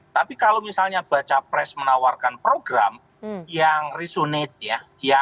tapi kalau misalnya baca pres menawarkan program yang resonate ya